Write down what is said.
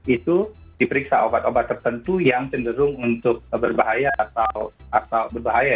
itu diperiksa obat obat tertentu yang cenderung untuk berbahaya atau berbahaya